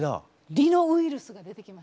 梨乃ウイルスが出てきました。